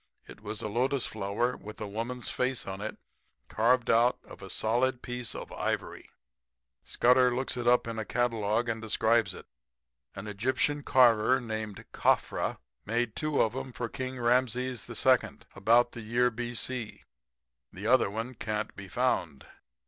It was a lotus flower with a woman's face in it carved out of a solid piece of ivory. "Scudder looks it up in a catalogue and describes it. An Egyptian carver named Khafra made two of 'em for King Rameses II. about the year B.C. The other one can't be found.